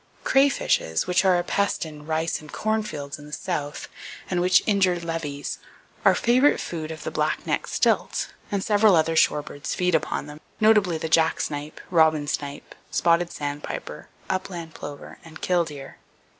Crayfishes, which are a pest in rice and corn fields in the South and which injure levees, are favorite food of the black necked stilt, and several other shorebirds feed upon them, notably the jacksnipe, robin snipe, spotted sandpiper, upland plover, and killdeer.